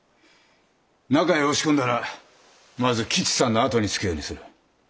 中へ押し込んだらまず吉さんの後につくようにする。